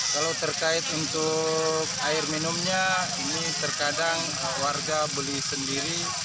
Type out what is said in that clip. kalau terkait untuk air minumnya ini terkadang warga beli sendiri